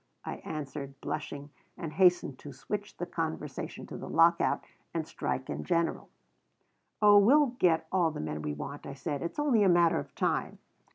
I answered, blushing, and hastened to switch the conversation to the lockout and strike in general. "Oh, we'll get all the men we want," I said. "It's only a matter of time.